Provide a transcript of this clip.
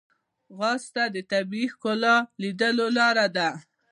ځغاسته د طبیعت ښکلا لیدو لاره ده